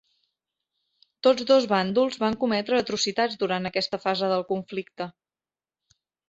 Tots dos bàndols van cometre atrocitats durant aquesta fase del conflicte.